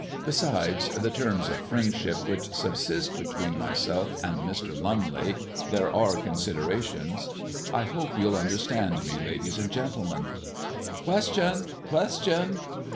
Besides, the terms of friendship which subsist between myself and Mr. Lumley there are considerations I hope you'll understand me, ladies and gentlemen!" "Question! question!"